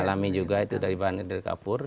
alami juga itu dari kapur